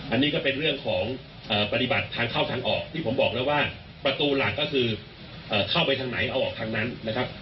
อันนี้ก็เป็นเรื่องของปฏิบัติทางเข้าทางออกที่ผมบอกแล้วว่าประตูหลักก็คือเข้าไปทางไหนเอาออกทางนั้นนะครับ